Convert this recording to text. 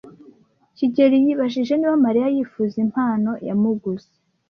kigeli yibajije niba Mariya yifuza impano yamuguze.